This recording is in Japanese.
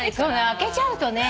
開けちゃうとね。